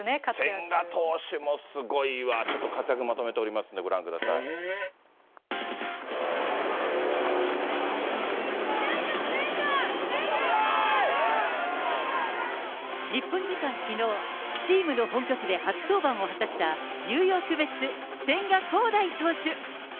千賀投手もすごいわ、ちょっと活躍まとめておりますので、ご日本時間きのう、チームの本拠地で初登板を果たした、ニューヨークメッツ、千賀滉大投手。